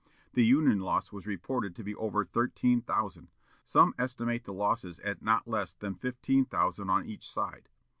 The Union loss was reported to be over thirteen thousand. Some estimate the losses as not less than fifteen thousand on each side.